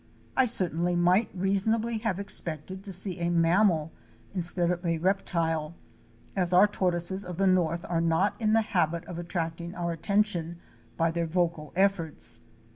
I certainly might reasonably have expected to see a mammal instead of a rep tile, as our tortoises of the north are not in the habit of attracting our attention by their vocal efforts.